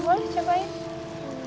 oh boleh cobain